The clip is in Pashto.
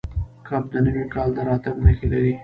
کب د نوي کال د راتګ نښې لري.